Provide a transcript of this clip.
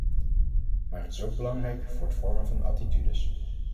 Maar het is ook belangrijk voor het vormen van attitudes.